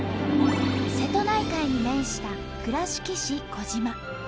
瀬戸内海に面した倉敷市児島。